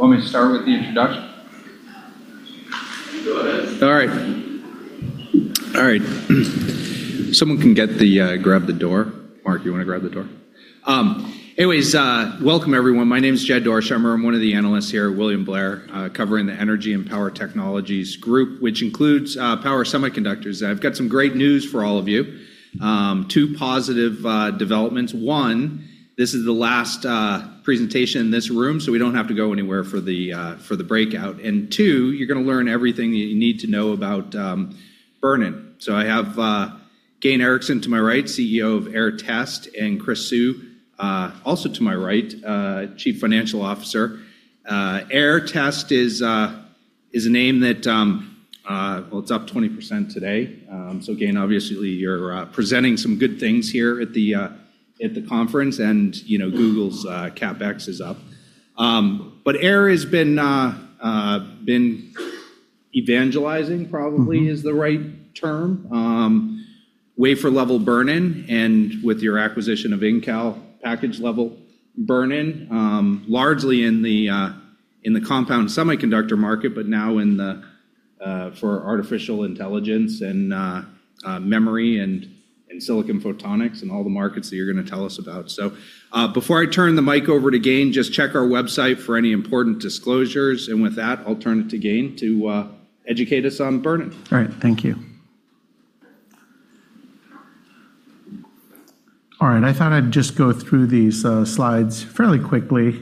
Want me to start with the introduction? Go ahead. All right. Someone can grab the door. Mark, you want to grab the door? Anyways, welcome everyone. My name's Jed Dorsheimer. I'm one of the analysts here at William Blair, covering the energy and power technologies group, which includes power semiconductors. I've got some great news for all of you. 2+ developments. One, this is the last presentation in this room, we don't have to go anywhere for the breakout. Two, you're going to learn everything that you need to know about burn-in. I have Gayn Erickson to my right, CEO of Aehr Test, and Chris Siu, also to my right, Chief Financial Officer. Aehr Test is a name that, well, it's up 20% today. Gayn, obviously you're presenting some good things here at the conference, and Google's CapEx is up. Aehr has been evangelizing, probably is the right term, wafer-level burn-in, and with your acquisition of Incal, package-level burn-in. Largely in the compound semiconductor market, but now for artificial intelligence, and memory, and silicon photonics, and all the markets that you're going to tell us about. Before I turn the mic over to Gayn, just check our website for any important disclosures. With that, I'll turn it to Gayn to educate us on burn-in. All right. Thank you. All right, I thought I'd just go through these slides fairly quickly,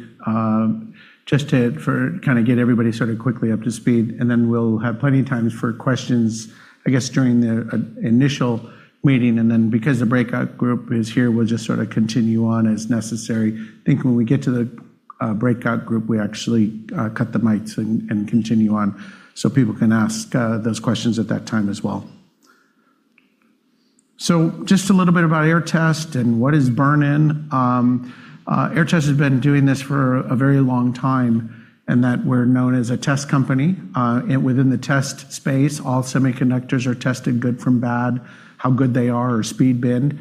just to get everybody quickly up to speed, and then we'll have plenty of times for questions, I guess, during the initial meeting, and then because the breakout group is here, we'll just continue on as necessary. I think when we get to the breakout group, we actually cut the mics and continue on so people can ask those questions at that time as well. Just a little bit about Aehr Test and what is burn-in. Aehr Test has been doing this for a very long time, in that we're known as a test company. Within the test space, all semiconductors are tested good from bad, how good they are, or speed binned.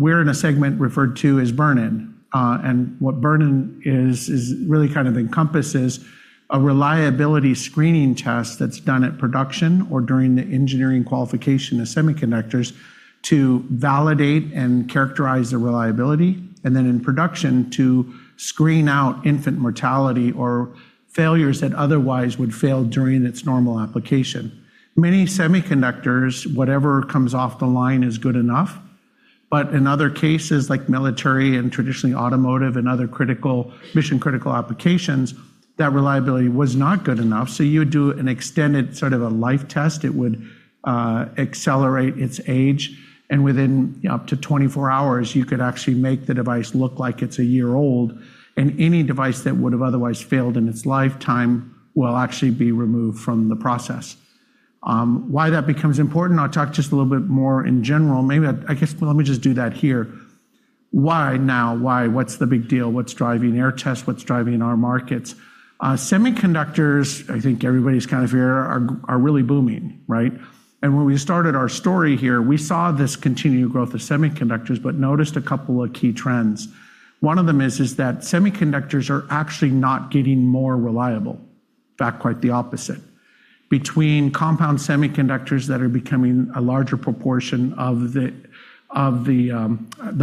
We're in a segment referred to as burn-in. What burn-in is it really encompasses a reliability screening test that's done at production or during the engineering qualification of semiconductors to validate and characterize the reliability, and then in production, to screen out infant mortality or failures that otherwise would fail during its normal application. Many semiconductors, whatever comes off the line is good enough. In other cases, like military and traditionally automotive and other mission-critical applications, that reliability was not good enough. You would do an extended life test. It would accelerate its age, and within up to 24 hours, you could actually make the device look like it's a year old. Any device that would've otherwise failed in its lifetime will actually be removed from the process. Why that becomes important, I'll talk just a little bit more in general. I guess, let me just do that here. Why now? Why? What's the big deal? What's driving Aehr Test? What's driving our markets? Semiconductors, I think everybody's kind of here, are really booming. Right? When we started our story here, we saw this continued growth of semiconductors, but noticed a couple of key trends. One of them is that semiconductors are actually not getting more reliable. In fact, quite the opposite. Between compound semiconductors that are becoming a larger proportion of the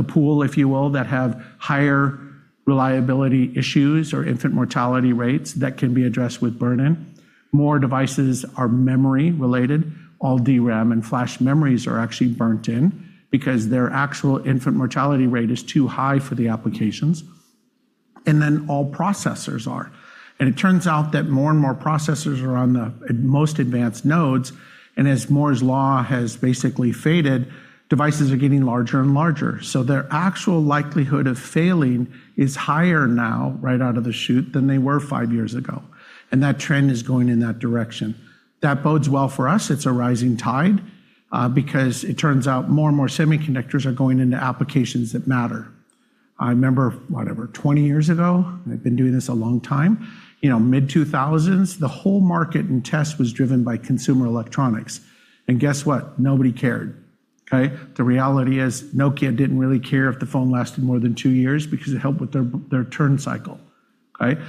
pool, If you will, that have higher reliability issues or infant mortality rates that can be addressed with burn-in. More devices are memory-related. All DRAM and flash memories are actually burnt in, because their actual infant mortality rate is too high for the applications. All processors are. It turns out that more and more processors are on the most advanced nodes. As Moore's Law has basically faded, devices are getting larger and larger. Their actual likelihood of failing is higher now, right out of the chute, than they were five years ago. That trend is going in that direction. That bodes well for us. It's a rising tide. It turns out more and more semiconductors are going into applications that matter. I remember, whatever, 20 years ago, I've been doing this a long time, mid-2000s, The whole market in tests was driven by consumer electronics. Guess what? Nobody cared. Okay? The reality is Nokia didn't really care if the phone lasted more than two years because it helped with their turn cycle. Okay?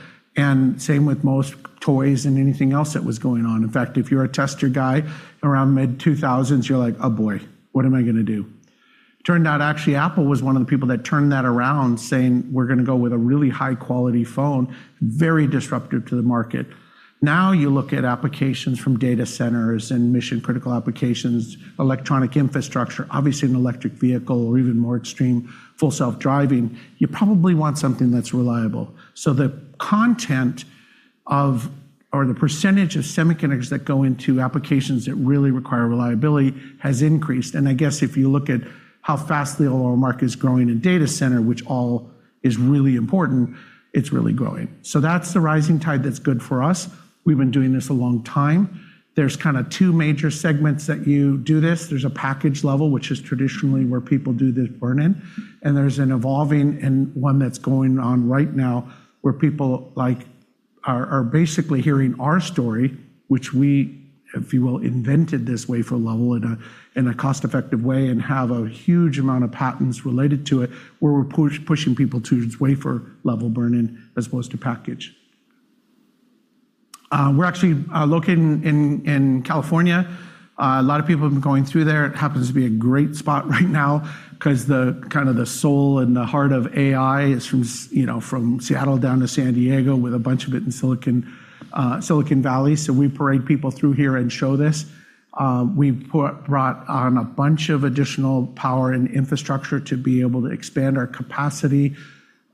Same with most toys and anything else that was going on. If you're a tester guy around mid-2000s, you're like, "Oh boy, what am I going to do?" Turned out, actually, Apple was one of the people that turned that around saying, "We're going to go with a really high-quality phone." Very disruptive to the market. You look at applications from data centers and mission-critical applications, electronic infrastructure, obviously an electric vehicle, or even more extreme, full self-driving. You probably want something that's reliable. The content of, or the percentage of semiconductors that go into applications that really require reliability has increased. I guess if you look at how fast the overall market is growing in data center, which all is really important, it's really growing. That's the rising tide that's good for us. We've been doing this a long time. There's two major segments that you do this. There's a package level, which is traditionally where people do this burn-in. There's an evolving, and one that's going on right now, where people are basically hearing our story, which we, if you will, invented this wafer level in a cost-effective way and have a huge amount of patents related to it, where we're pushing people to wafer level burn-in as opposed to package. We're actually located in California. A lot of people have been going through there. It happens to be a great spot right now because the soul and the heart of AI is from Seattle down to San Diego with a bunch of it in Silicon Valley. We parade people through here and show this. We've brought on a bunch of additional power and infrastructure to be able to expand our capacity,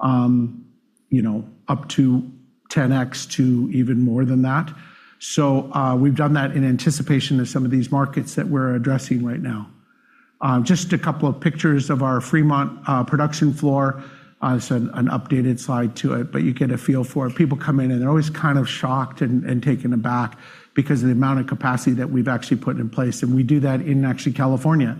up to 10X to even more than that. We've done that in anticipation of some of these markets that we're addressing right now. Just a couple of pictures of our Fremont production floor. It's an updated slide to it, but you get a feel for it. People come in, and they're always kind of shocked and taken aback because of the amount of capacity that we've actually put in place, and we do that in California.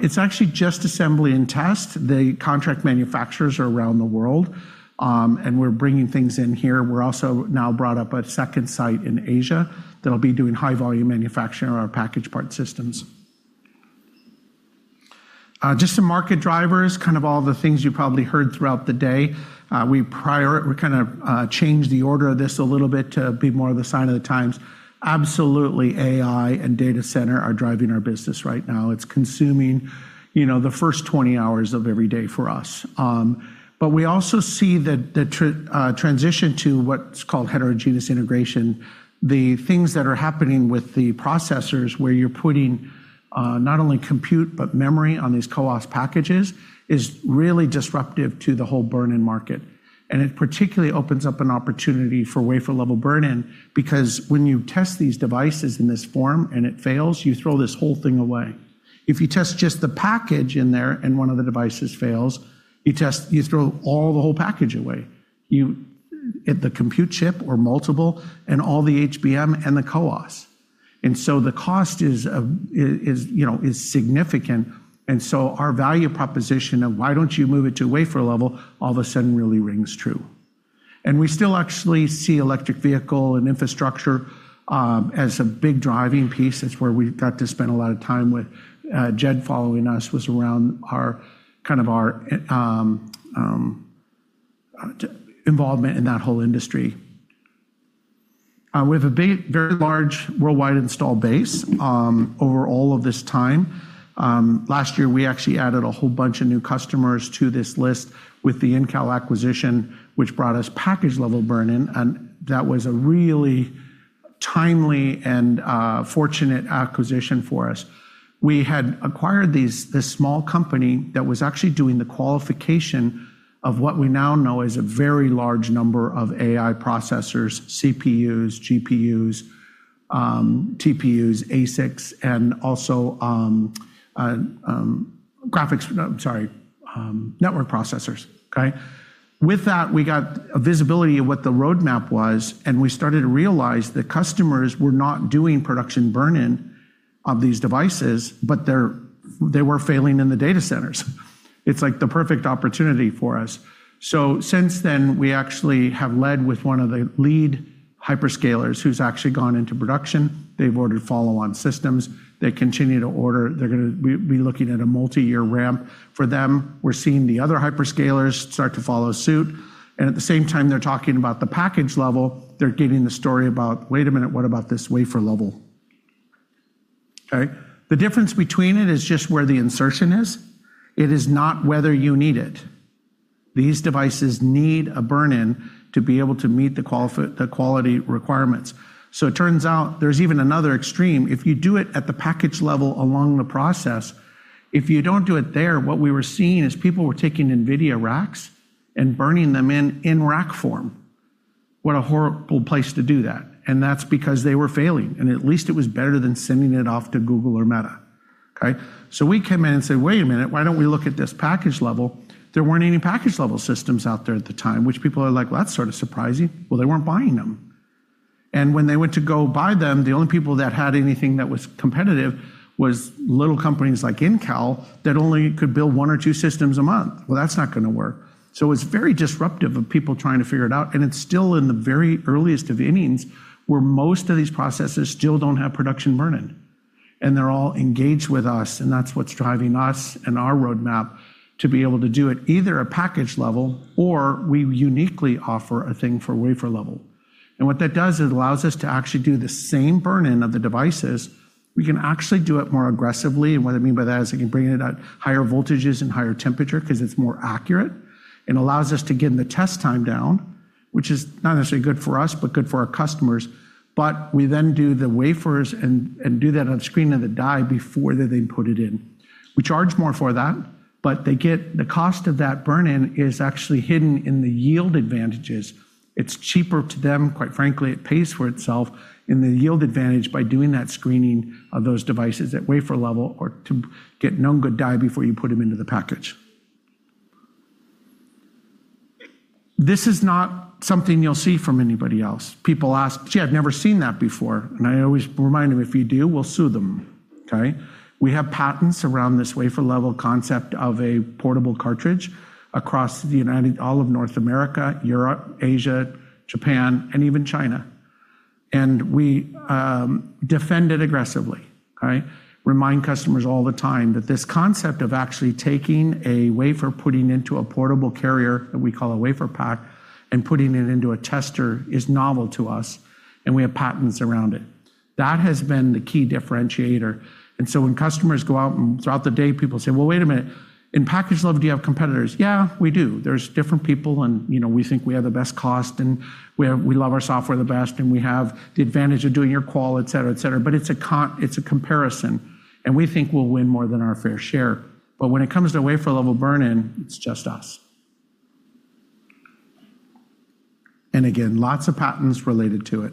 It's actually just assembly and test. The contract manufacturers are around the world. We're bringing things in here. We're also now brought up a second site in Asia that'll be doing high volume manufacturing of our packaged part systems. Just some market drivers, all the things you probably heard throughout the day. We changed the order of this a little bit to be more of the sign of the times. Absolutely AI and data center are driving our business right now. It's consuming the first 20 hours of every day for us. We also see that the transition to what's called heterogeneous integration, the things that are happening with the processors where you're putting not only compute but memory on these CoWoS packages, is really disruptive to the whole burn-in market. It particularly opens up an opportunity for wafer-level burn-in because when you test these devices in this form and it fails, you throw this whole thing away. If you test just the package in there and one of the devices fails, you throw the whole package away. The compute chip or multiple, and all the HBM and the CoWoS. The cost is significant. Our value proposition of why don't you move it to wafer-level all of a sudden really rings true. We still actually see electric vehicle and infrastructure as a big driving piece. That's where we got to spend a lot of time with Jed following us, was around our involvement in that whole industry. We have a very large worldwide install base over all of this time. Last year, we actually added a whole bunch of new customers to this list with the Incal acquisition, Which brought us package-level burn-in, and that was a really timely and fortunate acquisition for us. We had acquired this small company that was actually doing the qualification of what we now know is a very large number of AI processors, CPUs, GPUs, TPUs, ASICs, and also network processors. Okay. With that, we got a visibility of what the roadmap was, and we started to realize that customers were not doing production burn-in of these devices, but they were failing in the data centers. It's like the perfect opportunity for us. Since then, we actually have led with one of the lead hyperscalers who's actually gone into production. They've ordered follow-on systems. They continue to order. They're going to be looking at a multi-year ramp. For them, we're seeing the other hyperscalers start to follow suit, and at the same time they're talking about the package level, they're giving the story about, wait a minute, what about this wafer level? Okay. The difference between it is just where the insertion is. It is not whether you need it. These devices need a burn-in to be able to meet the quality requirements. It turns out there's even another extreme. If you do it at the package level along the process, if you don't do it there, what we were seeing is people were taking NVIDIA racks and burning them in rack form. What a horrible place to do that. That's because they were failing, and at least it was better than sending it off to Google or Meta. Okay. We came in and said, "Wait a minute, why don't we look at this package level?" There weren't any package level systems out there at the time, which people are like, "That's sort of surprising." They weren't buying them. And when they went to go buy them, the only people that had anything that was competitive was little companies like Incal that only could build one or two systems a month. That's not going to work. It's very disruptive of people trying to figure it out, and it's still in the very earliest of innings where most of these processes still don't have production burn-in. They're all engaged with us, and that's what's driving us and our roadmap to be able to do it either at package level or we uniquely offer a thing for wafer level. What that does is allows us to actually do the same burn-in of the devices. We can actually do it more aggressively. What I mean by that is we can bring it at higher voltages and higher temperature because it's more accurate and allows us to get the test time down, which is not necessarily good for us, but good for our customers. We then do the wafers and do that on screen of the die before they put it in. We charge more for that. The cost of that burn-in is actually hidden in the yield advantages. It's cheaper to them, quite frankly. It pays for itself in the yield advantage by doing that screening of those devices at wafer-level or to get known good die before you put them into the package. This is not something you'll see from anybody else. People ask, "Gee, I've never seen that before." I always remind them, if you do, we'll sue them. Okay. We have patents around this wafer-level concept of a portable cartridge across all of North America, Europe, Asia, Japan, and even China. We defend it aggressively. Remind customers all the time that this concept of actually taking a wafer, putting it into a portable carrier that we call a WaferPak, and putting it into a tester is novel to us, and we have patents around it. That has been the key differentiator. When customers go out and throughout the day, people say, "Well, wait a minute." In package-level, do you have competitors? Yeah, we do. There's different people, and we think we have the best cost, and we love our software the best, and we have the advantage of doing your qual, et cetera. It's a comparison, and we think we'll win more than our fair share. When it comes to wafer-level burn-in, it's just us. Again, lots of patents related to it.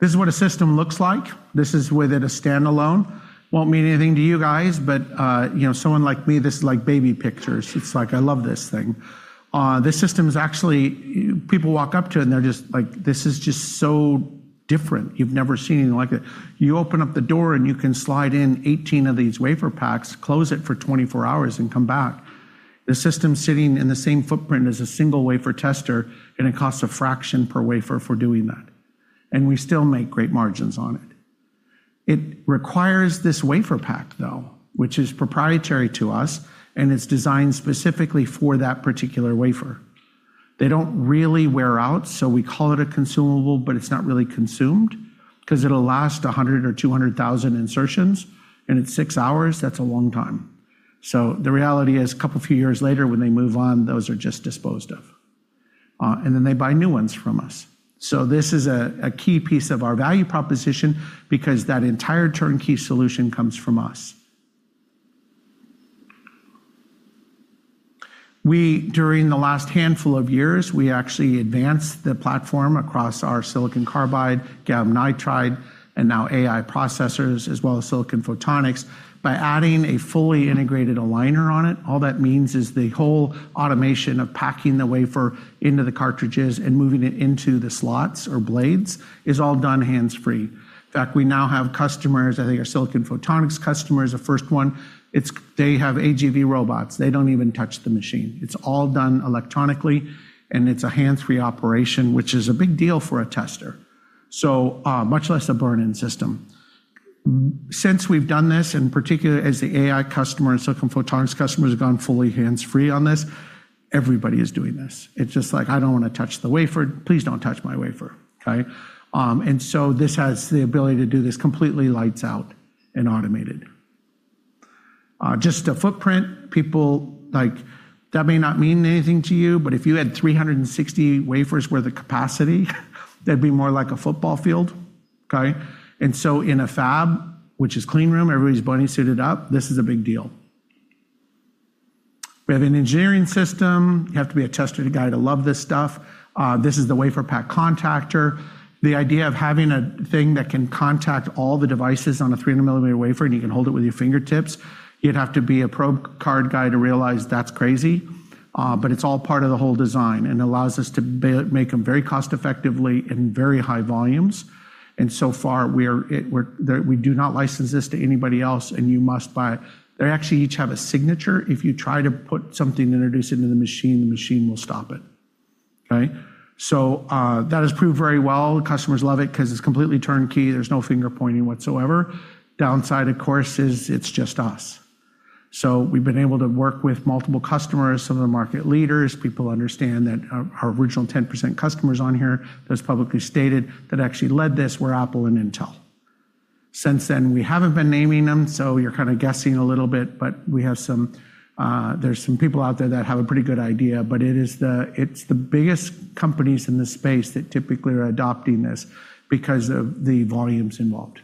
This is what a system looks like. This is with it a standalone. Won't mean anything to you guys, but someone like me, this is like baby pictures. It's like, I love this thing. This system is actually, people walk up to it and they're just like, "This is just so different." You've never seen anything like it. You open up the door, and you can slide in 18 of these WaferPaks, close it for 24 hours, and come back. The system's sitting in the same footprint as a single wafer tester, and it costs a fraction per wafer for doing that. We still make great margins on it. It requires this WaferPak, though, which is proprietary to us, and it's designed specifically for that particular wafer. They don't really wear out, so we call it a consumable, but it's not really consumed because it'll last 100,000 or 200,000 insertions, and it's six hours. That's a long time. The reality is, a couple few years later, when they move on, those are just disposed of. They buy new ones from us. This is a key piece of our value proposition because that entire turnkey solution comes from us. During the last handful of years, we actually advanced the platform across our silicon carbide, gallium nitride, and now AI processors, as well as silicon photonics, by adding a fully integrated aligner on it. All that means is the whole automation of packing the wafer into the cartridges and moving it into the slots or blades is all done hands-free. In fact, we now have customers, I think our silicon photonics customer is the first one. They have AGV robots. They don't even touch the machine. It's all done electronically, and it's a hands-free operation, which is a big deal for a tester, much less a burn-in system. Since we've done this, and particularly as the AI customer and silicon photonics customers have gone fully hands-free on this, everybody is doing this. It's just like, I don't want to touch the wafer. Please don't touch my wafer. This has the ability to do this completely lights out and automated. Just a footprint, people, that may not mean anything to you, but if you had 360 wafers worth of capacity, that'd be more like a football field. In a fab, which is clean room, everybody's bunny suited up, this is a big deal. We have an engineering system. You have to be a tester guy to love this stuff. This is the WaferPak contactor. The idea of having a thing that can contact all the devices on a 300-millimeter wafer, and you can hold it with your fingertips, you'd have to be a probe card guy to realize that's crazy. It's all part of the whole design and allows us to make them very cost-effectively in very high volumes. So far, we do not license this to anybody else, and you must buy it. They actually each have a signature. If you try to put something, introduce it into the machine, the machine will stop it. That has proved very well. Customers love it because it's completely turnkey. There's no finger-pointing whatsoever. Downside, of course, is it's just us. We've been able to work with multiple customers, some of the market leaders. People understand that our original 10% customers on here, that's publicly stated, that actually led this, were Apple and Intel. Since then, we haven't been naming them. You're kind of guessing a little bit. There's some people out there that have a pretty good idea. It's the biggest companies in the space that typically are adopting this because of the volumes involved.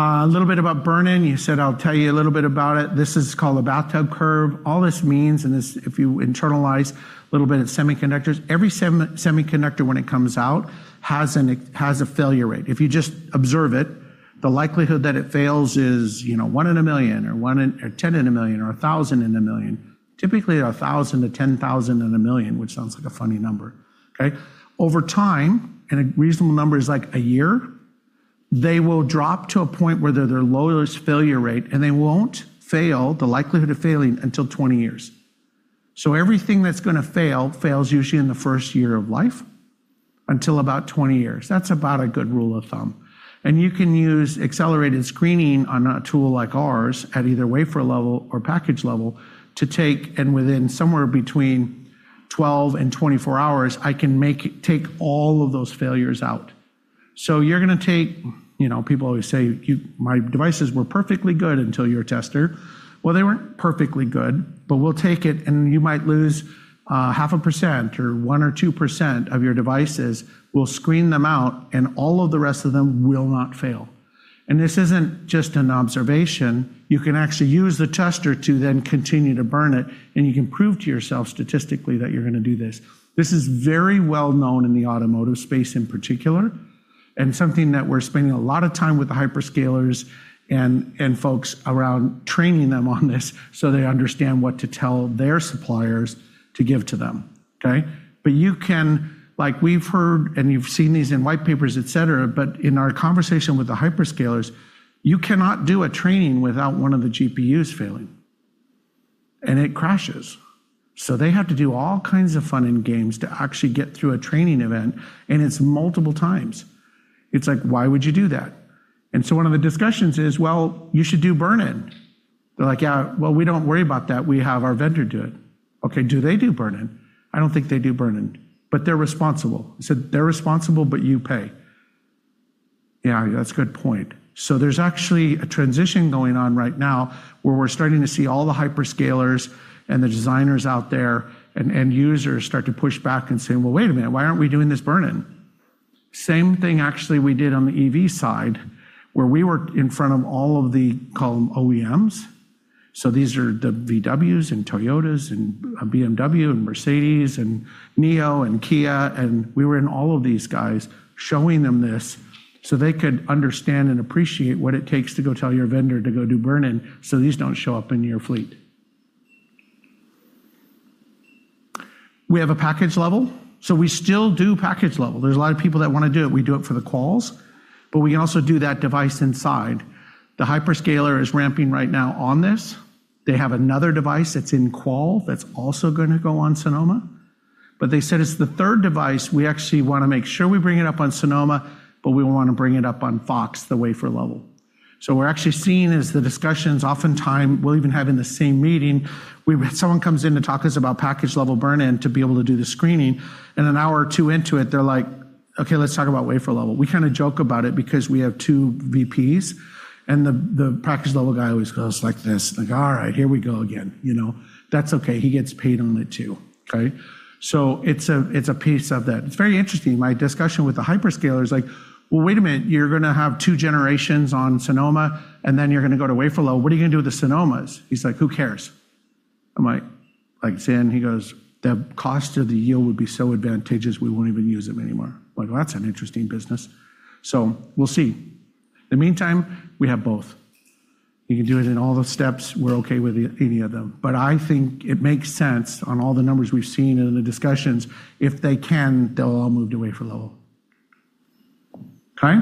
A little bit about burn-in. You said I'll tell you a little bit about it. This is called a bathtub curve. All this means. If you internalize a little bit of semiconductors, every semiconductor when it comes out has a failure rate. If you just observe it, the likelihood that it fails is one in a million or 10 in a million or 1,000 in a million. Typically, 1,000-10,000 in a million, which sounds like a funny number. Over time, and a reasonable number is like a year, they will drop to a point where they're the lowest failure rate, and they won't fail, the likelihood of failing, until 20 years. Everything that's going to fail, fails usually in the first year of life until about 20 years. That's about a good rule of thumb. You can use accelerated screening on a tool like ours at either wafer level or package level to take, and within somewhere between 12 and 24 hours, I can take all of those failures out. You're going to take, people always say, "My devices were perfectly good until your tester." Well, they weren't perfectly good, but we'll take it, and you might lose 0.5% or 1% or 2% of your devices. We'll screen them out, and all of the rest of them will not fail. This isn't just an observation. You can actually use the tester to then continue to burn it, and you can prove to yourself statistically that you're going to do this. This is very well known in the automotive space in particular, and something that we're spending a lot of time with the hyperscalers and folks around training them on this so they understand what to tell their suppliers to give to them. You can, like we've heard, and you've seen these in white papers, et cetera, but in our conversation with the hyperscalers, you cannot do a training without one of the GPUs failing, and it crashes. They have to do all kinds of fun and games to actually get through a training event, and it's multiple times. It's like, why would you do that? One of the discussions is, well, you should do burn-in. They're like, "Yeah, well, we don't worry about that. We have our vendor do it." Okay, do they do burn-in? I don't think they do burn-in, but they're responsible. They said, "They're responsible, but you pay." Yeah, that's a good point. There's actually a transition going on right now where we're starting to see all the hyperscalers and the designers out there and end users start to push back and say, "Well, wait a minute. Why aren't we doing this burn-in?" Same thing actually we did on the EV side where we worked in front of all of the, call them OEMs. These are the VWs and Toyotas and BMW and Mercedes and NIO and Kia, and we were in all of these guys showing them this so they could understand and appreciate what it takes to go tell your vendor to go do burn-in so these don't show up in your fleet. We have a package-level. We still do package-level. There's a lot of people that want to do it. We do it for the quals, but we can also do that device inside. The hyperscaler is ramping right now on this. They have another device that's in qual that's also going to go on Sonoma. They said it's the third device we actually want to make sure we bring it up on Sonoma, but we want to bring it up on FOX, the wafer-level. We're actually seeing as the discussions oftentimes we'll even have in the same meeting, someone comes in to talk to us about package-level burn-in to be able to do the screening, and an hour or two into it, they're like, "Okay, let's talk about wafer-level." We kind of joke about it because we have two VPs, and the package-level guy always goes like this, like, "All right, here we go again." That's okay. He gets paid on it too. Okay? It's a piece of that. It's very interesting. My discussion with the hyperscaler is like, "Well, wait a minute. You're going to have two generations on Sonoma, and then you're going to go to wafer-level. What are you going to do with the Sonomas?" He's like, "Who cares?" I'm like, "Like Zen." He goes, "The cost of the yield would be so advantageous we won't even use them anymore." I'm like, "Well, that's an interesting business." We'll see. In the meantime, we have both. You can do it in all the steps. We're okay with any of them. I think it makes sense on all the numbers we've seen and in the discussions, if they can, they'll all move to wafer-level. Okay.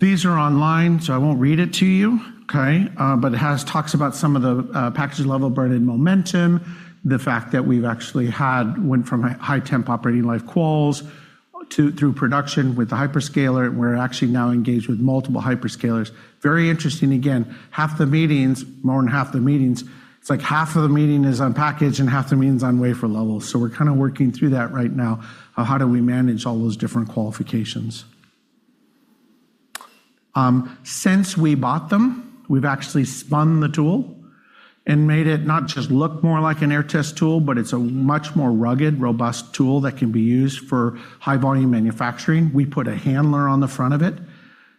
These are online, I won't read it to you, okay, it talks about some of the package-level burn-in momentum, the fact that we've actually had, went from High Temperature Operating Life qualification through production with the hyperscaler. We're actually now engaged with multiple hyperscalers. Very interesting again, half the meetings, more than half the meetings, it's like half of the meeting is on package and half the meeting is on wafer-level. We're kind of working through that right now. How do we manage all those different qualifications? Since we bought them, we've actually spun the tool and made it not just look more like an Aehr Test tool, but it's a much more rugged, robust tool that can be used for high volume manufacturing. We put a handler on the front of it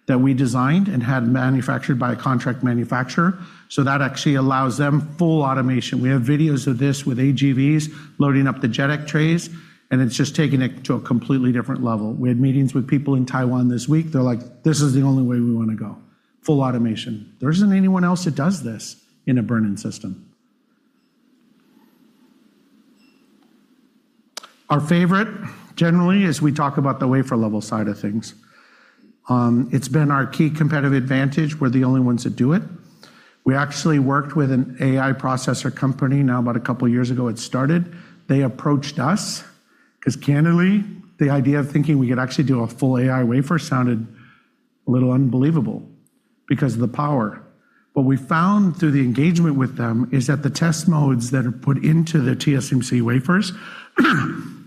that we designed and had manufactured by a contract manufacturer. That actually allows them full automation. We have videos of this with AGVs loading up the JEDEC trays, and it's just taking it to a completely different level. We had meetings with people in Taiwan this week. They're like, "This is the only way we want to go. Full automation. There isn't anyone else that does this in a burn-in system. Our favorite generally is we talk about the wafer-level side of things. It's been our key competitive advantage. We're the only ones that do it. We actually worked with an AI processor company now about a couple years ago it started. They approached us because candidly, the idea of thinking we could actually do a full AI wafer sounded a little unbelievable because of the power. What we found through the engagement with them is that the test modes that are put into the TSMC wafers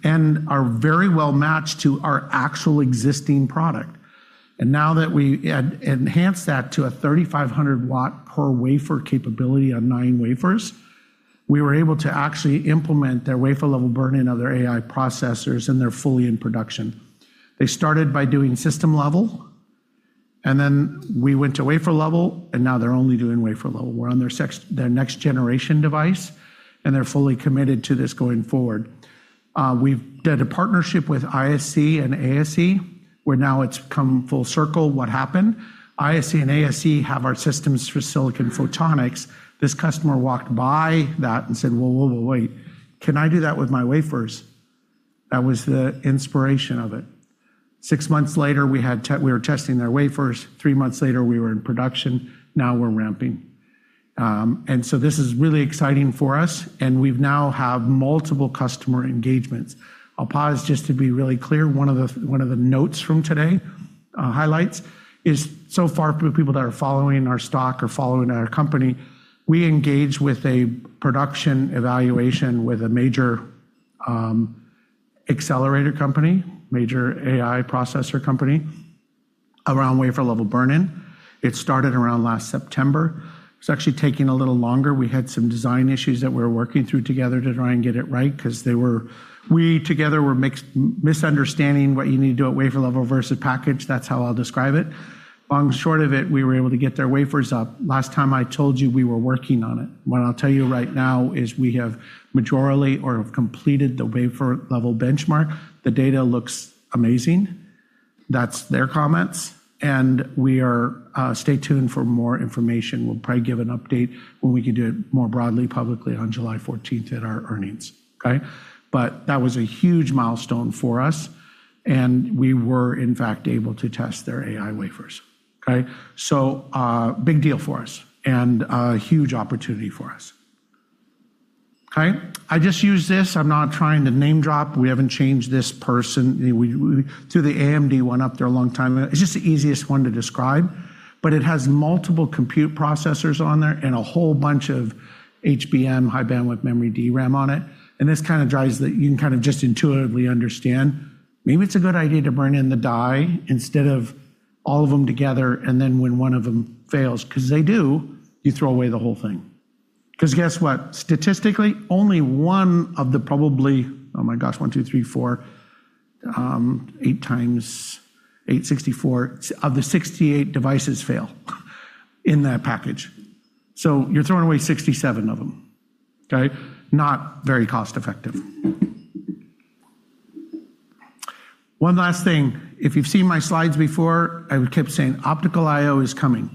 are very well matched to our actual existing product. Now that we had enhanced that to a 3,500 watt per wafer capability on nine wafers, we were able to actually implement their wafer-level burn-in of their AI processors, and they're fully in production. They started by doing system level, and then we went to wafer level, and now they're only doing wafer level. We're on their next generation device, and they're fully committed to this going forward. We've done a partnership with ISE and ASE, where now it's come full circle what happened. ISE and ASE have our systems for silicon photonics. This customer walked by that and said, "Whoa, whoa, wait. Can I do that with my wafers?" That was the inspiration of it. Six months later, we were testing their wafers. Three months later, we were in production. We're ramping. This is really exciting for us, and we now have multiple customer engagements. I'll pause just to be really clear. One of the notes from today, highlights, is so far for the people that are following our stock or following our company, we engage with a production evaluation with a major accelerator company, major AI processor company around wafer-level burn-in. It started around last September. It's actually taking a little longer. We had some design issues that we're working through together to try and get it right because we together were misunderstanding what you need to do at wafer-level versus package. That's how I'll describe it. Long short of it, we were able to get their wafers up. Last time I told you we were working on it. What I'll tell you right now is we have majorly or have completed the wafer-level benchmark. The data looks amazing. That's their comments, stay tuned for more information. We'll probably give an update when we can do it more broadly publicly on July 14th at our earnings. Okay? That was a huge milestone for us, and we were, in fact, able to test their AI wafers. Okay? Big deal for us and a huge opportunity for us. Okay? I just use this. I'm not trying to name-drop. We haven't changed this person. We threw the AMD one up there a long time ago. It's just the easiest one to describe. It has multiple compute processors on there and a whole bunch of HBM, high bandwidth memory, DRAM on it. This kind of drives that you can kind of just intuitively understand, maybe it's a good idea to burn-in the die instead of all of them together and then when one of them fails, because they do, you throw away the whole thing. Because guess what. Statistically, only one of the probably, one, two, three, four, 8 x86s, of the 68 devices fail in that package. You're throwing away 67 of them. Okay. Not very cost-effective. One last thing. If you've seen my slides before, I kept saying optical I/O is coming.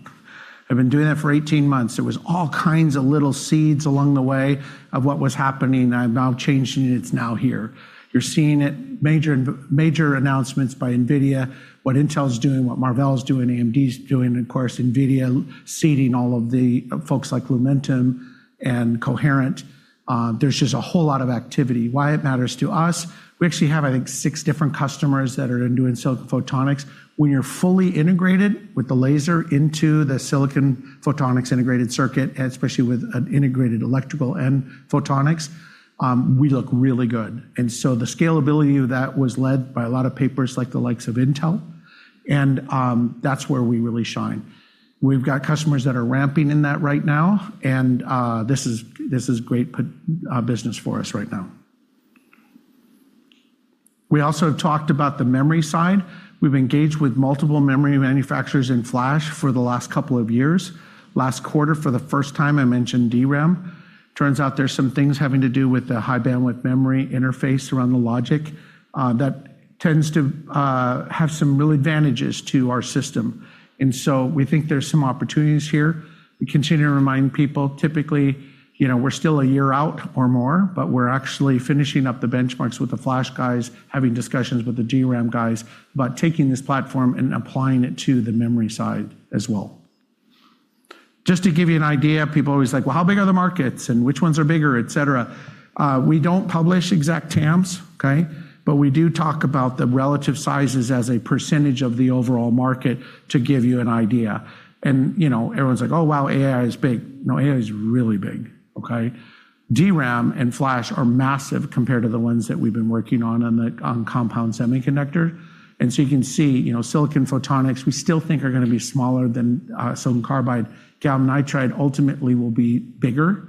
I've been doing that for 18 months. There was all kinds of little seeds along the way of what was happening. I'm now changing it. It's now here. You're seeing it, major announcements by NVIDIA, what Intel's doing, what Marvell's doing, AMD's doing, of course, NVIDIA seeding all of the folks like Lumentum and Coherent. There's just a whole lot of activity. Why it matters to us, we actually have, I think, six different customers that are doing silicon photonics. When you're fully integrated with the laser into the silicon photonics integrated circuit, and especially with an integrated electrical and photonics, we look really good. The scalability of that was led by a lot of papers like the likes of Intel, and that's where we really shine. We've got customers that are ramping in that right now, and this is great business for us right now. We also talked about the memory side. We've engaged with multiple memory manufacturers in flash for the last couple of years. Last quarter, for the first time, I mentioned DRAM. Turns out there's some things having to do with the high bandwidth memory interface around the logic that tends to have some real advantages to our system. We think there's some opportunities here. We continue to remind people, typically, we're still a year out or more, but we're actually finishing up the benchmarks with the flash guys, having discussions with the DRAM guys about taking this platform and applying it to the memory side as well. Just to give you an idea, people are always like, "Well, how big are the markets and which ones are bigger?" Et cetera. We don't publish exact TAMs, okay? We do talk about the relative sizes as a % of the overall market to give you an idea. Everyone's like, "Oh, wow, AI is big." No, AI is really big. Okay? DRAM and flash are massive compared to the ones that we've been working on compound semiconductor. You can see, silicon photonics, we still think are going to be smaller than silicon carbide. Gallium nitride ultimately will be bigger,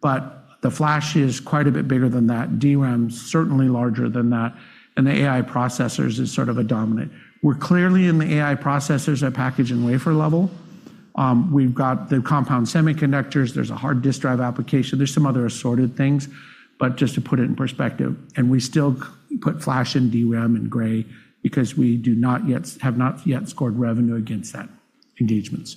but the flash is quite a bit bigger than that. DRAM's certainly larger than that, and the AI processors is sort of a dominant. We're clearly in the AI processors at package and wafer level. We've got the compound semiconductors. There's a hard disk drive application. There's some other assorted things, but just to put it in perspective. We still put flash and DRAM in gray because we have not yet scored revenue against that engagements.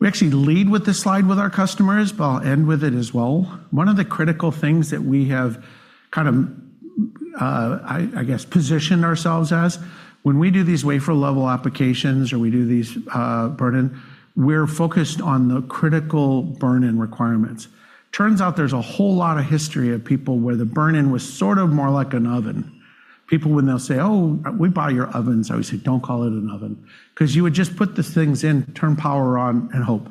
We actually lead with this slide with our customers, but I'll end with it as well. One of the critical things that we have kind of, I guess, positioned ourselves as, when we do these wafer-level applications or we do these burn-in, we're focused on the critical burn-in requirements. Turns out there's a whole lot of history of people where the burn-in was sort of more like an oven. People when they'll say, "Oh, we buy your ovens." I always say, "Don't call it an oven." You would just put the things in, turn power on and hope.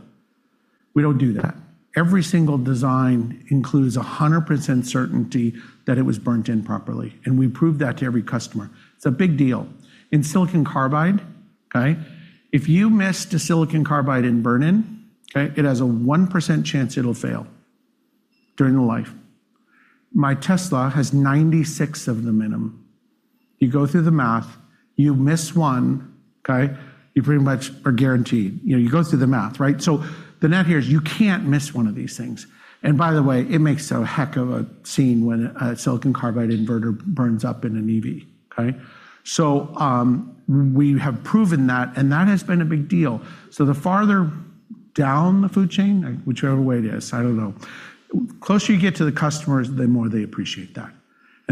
We don't do that. Every single design includes 100% certainty that it was burnt in properly, and we prove that to every customer. It's a big deal. In silicon carbide, okay, if you missed a silicon carbide in burn-in, okay, it has a 1% chance it'll fail during the life. My Tesla has 96 of them in them. You go through the math, you miss one, okay, you pretty much are guaranteed. You go through the math, right? The net here is you can't miss one of these things. By the way, it makes a heck of a scene when a silicon carbide inverter burns up in an EV. Okay? We have proven that, and that has been a big deal. The farther down the food chain, whichever way it is, I don't know, closer you get to the customers, the more they appreciate that.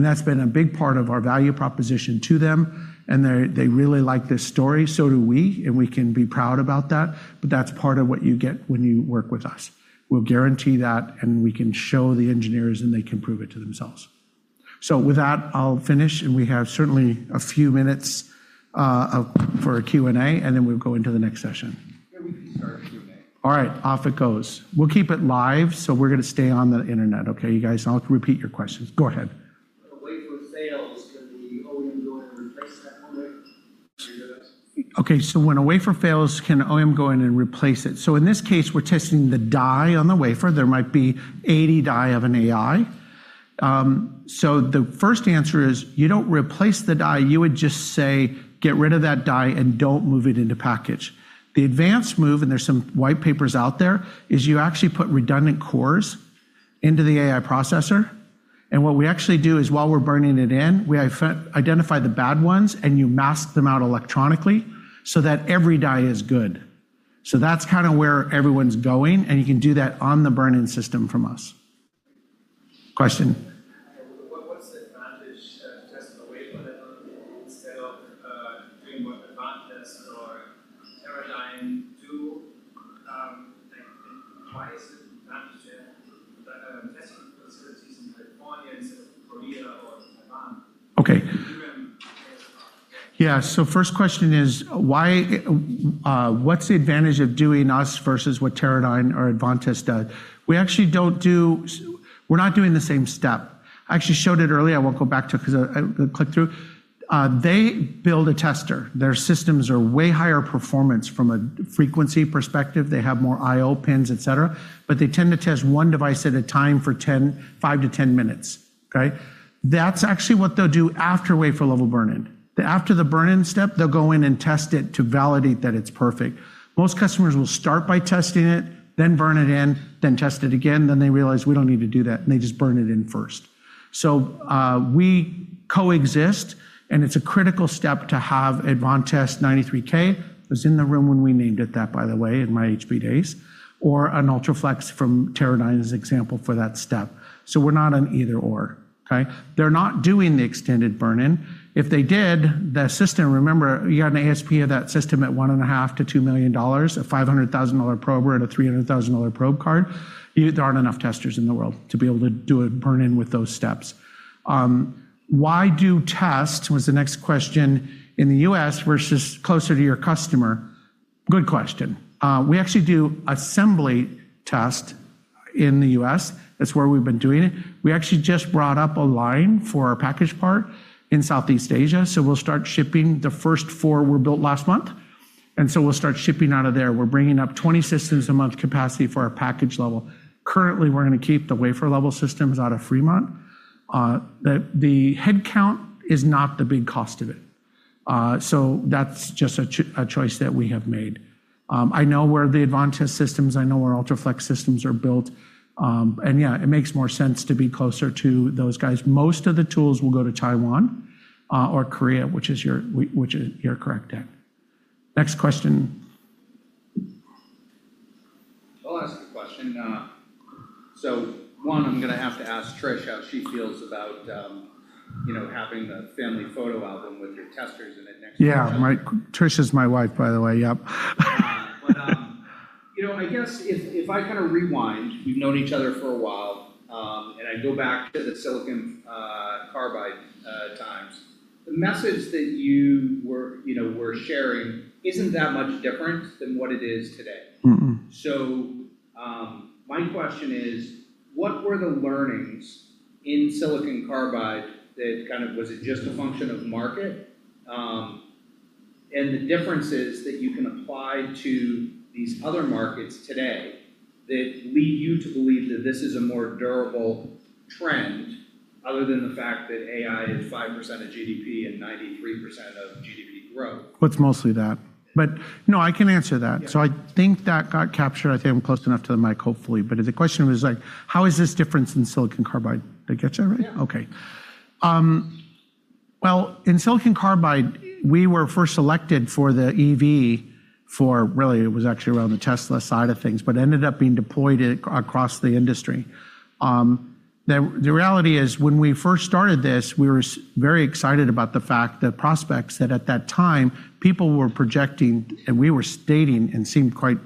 That's been a big part of our value proposition to them, and they really like this story. Do we, and we can be proud about that, but that's part of what you get when you work with us. We'll guarantee that, and we can show the engineers, and they can prove it to themselves. With that, I'll finish, and we have certainly a few minutes for a Q&A, and then we'll go into the next session. Yeah, we can start the Q&A. All right, off it goes. We'll keep it live, so we're going to stay on the internet, okay, you guys? I'll repeat your questions. Go ahead. When a wafer fails, can the OEM go in and replace that wafer? When a wafer fails, can OEM go in and replace it? In this case, we're testing the die on the wafer. There might be 80 die of an AI. The first answer is you don't replace the die. You would just say, "Get rid of that die and don't move it into package." The advanced move, and there's some white papers out there, is you actually put redundant cores into the AI processor. What we actually do is while we're burning it in, we identify the bad ones, and you mask them out electronically so that every die is good. That's where everyone's going, and you can do that on the burn-in system from us. Question. What's the advantage of testing the wafer level instead of doing what Advantest or Teradyne do? Why is it an advantage then testing facilities in California instead of Korea or Taiwan? Okay. Give them trade-offs. Yeah. Yeah. First question is, what's the advantage of doing us versus what Teradyne or Advantest does? We're not doing the same step. I actually showed it earlier. I won't go back to it because I clicked through. They build a tester. Their systems are way higher performance from a frequency perspective. They have more IO pins, et cetera, but they tend to test one device at a time for 5 to 10 minutes. Okay? That's actually what they'll do after wafer-level burn-in. After the burn-in step, they'll go in and test it to validate that it's perfect. Most customers will start by testing it, then burn it in, then test it again. They realize we don't need to do that, and they just burn it in first. We coexist, and it's a critical step to have Advantest V93000. I was in the room when we named it that, by the way, in my HP days, or an UltraFLEX from Teradyne as example for that step. We're not an either/or. Okay? They're not doing the extended burn-in. If they did, the system, remember, you had an ASP of that system at $1.5 million-$2 million, a $500,000 probe or at a $300,000 probe card. There aren't enough testers in the world to be able to do a burn-in with those steps. Why do test, was the next question, in the U.S. versus closer to your customer? Good question. We actually do assembly test in the U.S. That's where we've been doing it. We actually just brought up a line for our package part in Southeast Asia. We'll start shipping. The first four were built last month, and so we'll start shipping out of there. We're bringing up 20 systems a month capacity for our package level. Currently, we're going to keep the wafer level systems out of Fremont. The headcount is not the big cost of it. That's just a choice that we have made. I know where the Advantest systems, I know where UltraFLEX systems are built. Yeah, it makes more sense to be closer to those guys. Most of the tools will go to Taiwan or Korea, which you're correct at. Next question. I'll ask a question. One, I'm going to have to ask Trish how she feels about having the family photo album with your testers in it next to her. Yeah. Trish is my wife, by the way. Yep. I guess if I kind of rewind, we've known each other for a while, and I go back to the silicon carbide times. The message that you were sharing isn't that much different than what it is today. Mm-mm. My question is, what were the learnings in Silicon Carbide that kind of was it just a function of market? The differences that you can apply to these other markets today that lead you to believe that this is a more durable trend, other than the fact that AI is 5% of GDP and 93% of GDP growth. Well, it's mostly that. No, I can answer that. Yeah. I think that got captured. I think I'm close enough to the mic, hopefully. The question was, how is this different than silicon carbide? Did I get that right? Yeah. Okay. Well, in silicon carbide, we were first selected for the EV for, really, it was actually around the Tesla side of things, but ended up being deployed across the industry. The reality is, when we first started this, we were very excited about the fact that prospects that at that time, people were projecting, and we were stating, and seemed quite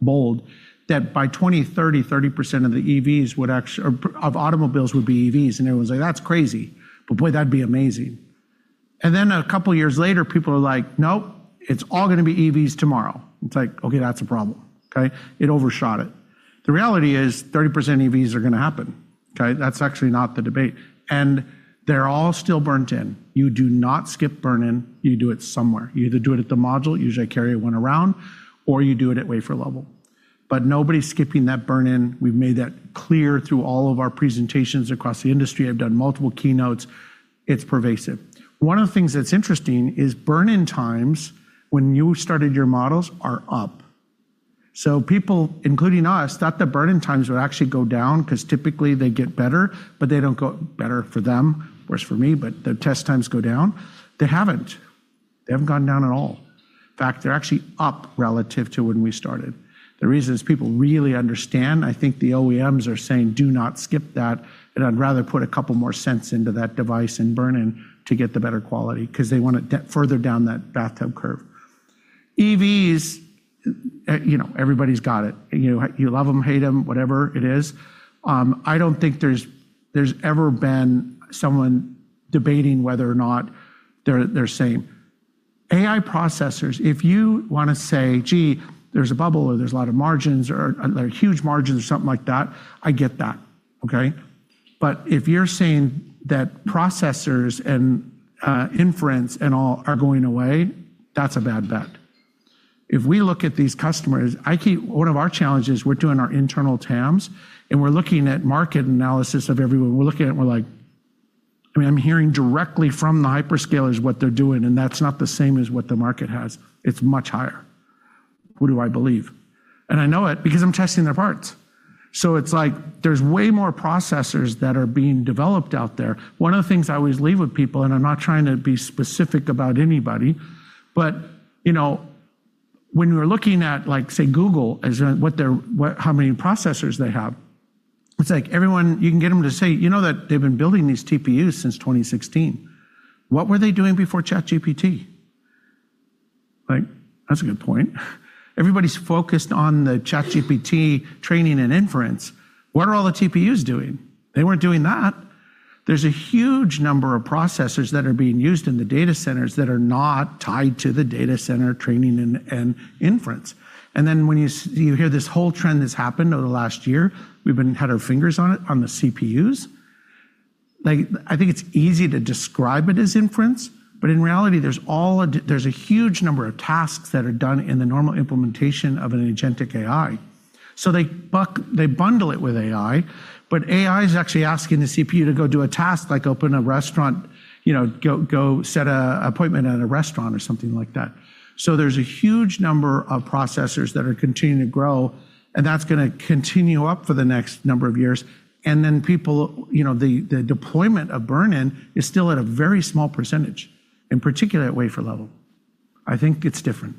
bold, that by 2030, 30% of automobiles would be EVs. Everyone's like, "That's crazy. But boy, that'd be amazing." Then a couple of years later, people are like, "Nope, it's all going to be EVs tomorrow." It's like, okay, that's a problem. Okay? It overshot it. The reality is 30% EVs are going to happen. Okay? That's actually not the debate. They're all still burnt in. You do not skip burn-in. You do it somewhere. You either do it at the module, usually I carry one around, or you do it at wafer level. Nobody's skipping that burn-in. We've made that clear through all of our presentations across the industry. I've done multiple keynotes. It's pervasive. One of the things that's interesting is burn-in times when you started your models are up. People, including us, thought that burn-in times would actually go down because typically they get better, but they don't go better for them. Worse for me, but the test times go down. They haven't. They haven't gone down at all. In fact, they're actually up relative to when we started. The reason is people really understand, I think the OEMs are saying, do not skip that, and I'd rather put a couple more cents into that device and burn-in to get the better quality because they want it further down that bathtub curve. EVs, everybody's got it. You love them, hate them, whatever it is. I don't think there's ever been someone debating whether or not they're same. AI processors, if you want to say, gee, there's a bubble, or there's a lot of margins, or huge margins or something like that, I get that. Okay? If you're saying that processors and inference and all are going away, that's a bad bet. If we look at these customers, one of our challenges, we're doing our internal TAMs, and we're looking at market analysis of everyone. We're looking at it and we're like, I'm hearing directly from the hyperscalers what they're doing, that's not the same as what the market has. It's much higher. Who do I believe? I know it because I'm testing their parts. It's like there's way more processors that are being developed out there. One of the things I always leave with people, and I'm not trying to be specific about anybody, but when we're looking at, say, Google, how many processors they have, it's like everyone, you know, you can get them to say that they've been building these TPUs since 2016. What were they doing before ChatGPT? That's a good point. Everybody's focused on the ChatGPT training and inference. What are all the TPUs doing? They weren't doing that. There's a huge number of processors that are being used in the data centers that are not tied to the data center training and inference. When you hear this whole trend that's happened over the last year, we've had our fingers on it, on the CPUs. I think it's easy to describe it as inference, but in reality, there's a huge number of tasks that are done in the normal implementation of an agentic AI. They bundle it with AI, but AI is actually asking the CPU to go do a task like open a restaurant, go set an appointment at a restaurant or something like that. There's a huge number of processors that are continuing to grow, and that's going to continue up for the next number of years. People, the deployment of burn-in is still at a very small percentage, in particular at wafer level. I think it's different.